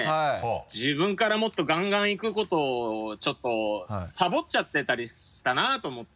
自分からもっとガンガン行くことをちょっとサボっちゃってたりしたなと思って。